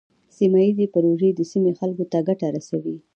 سیمه ایزې پروژې د سیمې خلکو ته ګټه رسوي.